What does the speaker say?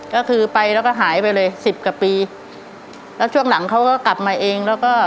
ก็คือไปแล้วก็หายไปเลยสิบกว่าปีแล้วช่วงหลังเขาก็กลับมาเองแล้วก็